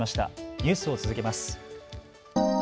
ニュースを続けます。